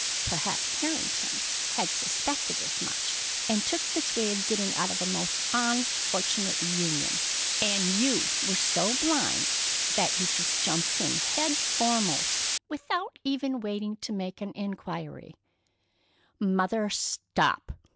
Perhaps Harrington had suspected as much and took this way of getting out of a most unfortunate union, and you were so blind that you just jumped in head foremost, without ever waiting to make an inquiry——" "Mother, stop!"